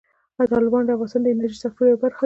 تالابونه د افغانستان د انرژۍ سکتور یوه برخه ده.